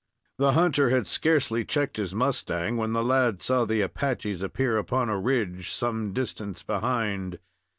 The hunter had scarcely checked his mustang when the lad saw the Apaches appear upon a ridge some distance behind.